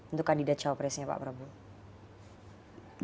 untuk kandidat cawapresnya pak prabowo